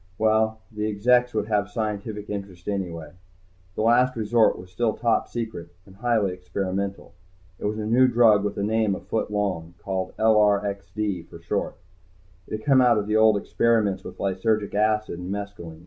Well, the exects would have scientific interest anyway. The Last Resort was still Top Secret. And highly experimental. It was a new drug with a name a foot long, called LRXD for short. It had come out of the old experiments with lysergic acid and mescalin.